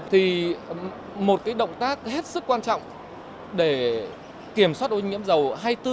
thì một cái động tác hết sức quan trọng để kiểm soát ô nhiễm dầu hai mươi bốn trên hai mươi bốn giờ